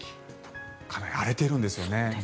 かなり荒れているんですよね。